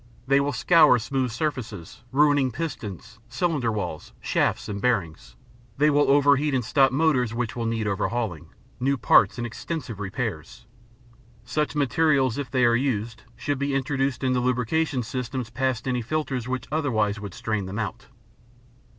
They will scour smooth surfaces, ruining pistons, cylinder walls, shafts, and bearings. They will overheat and stop motors which will need overhauling, new parts, and extensive repairs. Such materials, if they are used, should be introduced into lubrication systems past any filters which otherwise would strain them out.